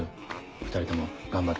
２人とも頑張って。